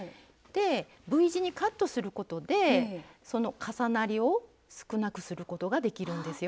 Ｖ字にカットすることでその重なりを少なくすることができるんですよ。